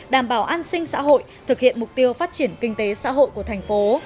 đảm bảo an sinh xã hội thực hiện mục tiêu phát triển kinh tế xã hội của thành phố